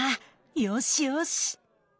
よしよし。